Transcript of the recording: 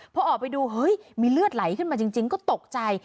พอออกไปดูเฮ้ยมีเลือดไหลขึ้นมาจริงก็ตกใจ